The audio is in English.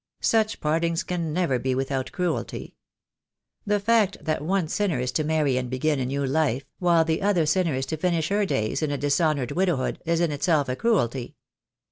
Such partings can never be without cruelty. The fact that one sinner is to marry and begin a new life, while the other sinner is to finish her days in a dis honoured widowhood, is in itself a cruelty.